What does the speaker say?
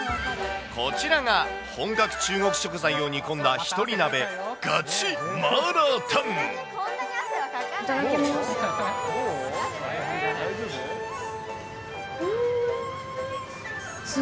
こちらが本格中国食材を煮込いただきます。